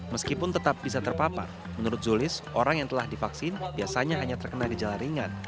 meskipun tetap bisa terpapar menurut zulis orang yang telah divaksin biasanya hanya terkena gejala ringan